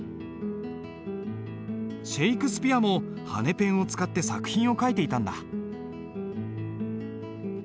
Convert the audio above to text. シェイクスピアも羽ペンを使って作品を書いていたんだ。